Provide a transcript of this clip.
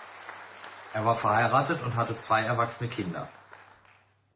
Er war verheiratet und hatte zwei erwachsene Kinder.